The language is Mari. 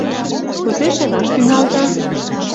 — Кузе шелаш тӱҥалыда?